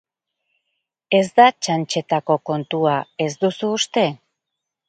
Ez da txantxetako kontua, ez duzu uste?